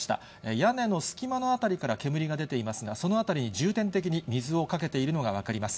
屋根の隙間の辺りから煙が出ていますが、その辺りに重点的に水をかけているのが分かります。